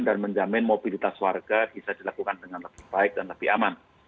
dan menjamin mobilitas warga bisa dilakukan dengan lebih baik dan lebih aman